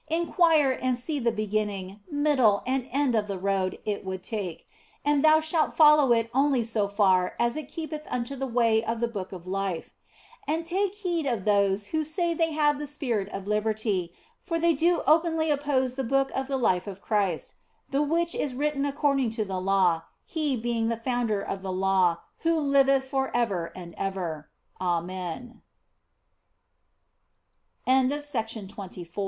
Inquire and see the be ginning, middle, and end of the road it would take, and thou shalt follow it only so far as it keepeth unto the way of the Book of Life. And take heed of those who say they have the spirit of liberty, for they do openly oppose the Book of the Life of Christ, the which is written according to the law, He being the founder of the law, who liv